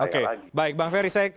oke baik bang ferry saya